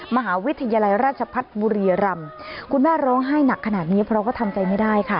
มหาวิทยาลัยราชพัฒน์บุรีรำคุณแม่ร้องไห้หนักขนาดนี้เพราะว่าทำใจไม่ได้ค่ะ